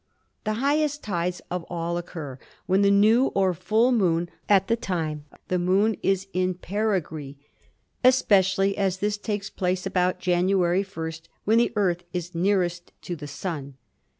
The highest tides of all occur when the new or full moon occurs at the time the Moon is in peri gee, especially as this takes place about January 1st, when the Earth is nearest to the Sun.